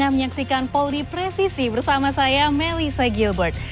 menyaksikan polri presisi bersama saya melisa gilbert